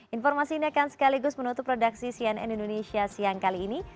informasi ini akan sekaligus menutup produksi cnn indonesia siang kali ini